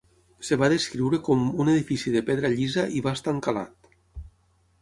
Es va descriure com "un edifici de pedra llisa i basta encalat".